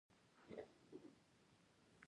ارشاد الفقراء نېکبختي کتاب دﺉ.